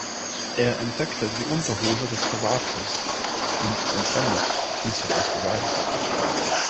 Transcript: Er entdeckt die Unterhose des Privates und entwendet diese als Beweis.